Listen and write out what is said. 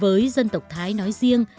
với dân tộc thái nói riêng